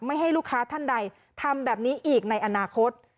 ให้ลูกค้าท่านใดทำแบบนี้อีกในอนาคต